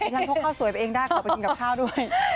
ฉันพกข้าวสวยไปเองได้ขอไปกินกับข้าวด้วย